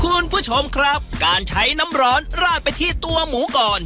คุณผู้ชมครับการใช้น้ำร้อนราดไปที่ตัวหมูก่อน